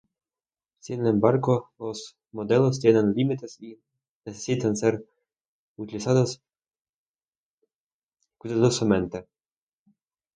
Sin embargo, los modelos tienen límites y necesitan ser utilizados cuidadosamente.